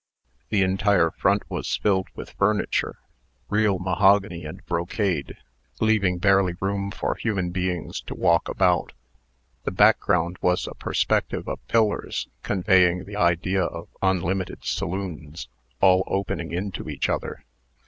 The entire front was filled with furniture, real mahogany and brocade, leaving barely room for human beings to walk about. The background was a perspective of pillars, conveying the idea of unlimited saloons, all opening into each other.